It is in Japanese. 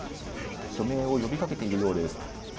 署名を呼びかけているようです。